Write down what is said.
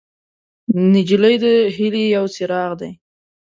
نجلۍ د هیلې یو څراغ دی.